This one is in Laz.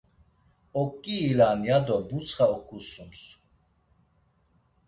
Oǩiilan ya do butsxa oǩusums.